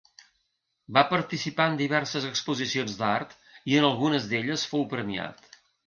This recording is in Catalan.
Va participar en diverses exposicions d'art, i en algunes d'elles fou premiat.